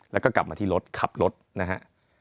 แล้วก็กลับมาที่รถขับรถนะฮะ